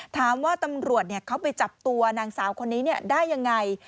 ถามว่าตำรวจเนี่ยเขาไปจับตัวนางสาวคนนี้เนี่ยได้ยังไง